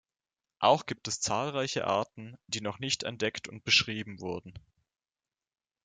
Auch gibt es zahlreiche Arten, die noch nicht entdeckt und beschrieben wurden.